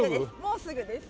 もうすぐです。